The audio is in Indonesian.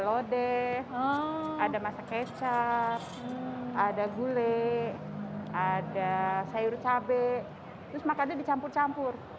lode ada masak kecap ada gulai ada sayur cabai terus makannya dicampur campur